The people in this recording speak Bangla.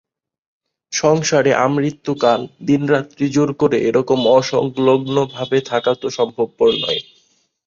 সংসারে আমৃত্যুকাল দিনরাত্রি জোর করে এরকম অসংলগ্নভাবে থাকা তো সম্ভবপর নয়।